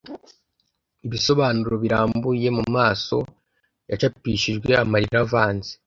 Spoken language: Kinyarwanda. ibisobanuro birambuye mumaso yacapishijwe amarira avanze